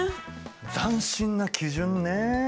斬新な基準ね。